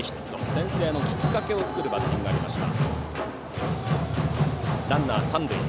先制のきっかけを作るバッティングがありました。